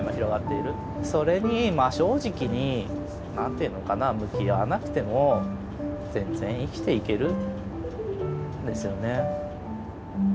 それに真正直に何て言うのかな向き合わなくても全然生きていけるんですよね。